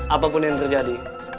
apapun yang terjadi